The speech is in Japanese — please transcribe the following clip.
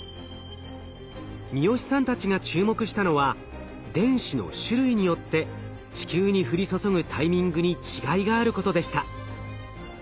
三好さんたちが注目したのは電子の種類によって地球に降り注ぐタイミングに違いがあることでした。